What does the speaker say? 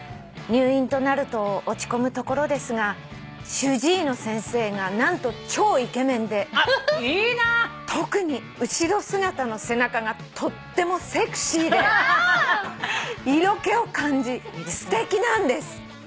「入院となると落ち込むところですが主治医の先生が何と超イケメンで特に後ろ姿の背中がとってもセクシーで色気を感じすてきなんです」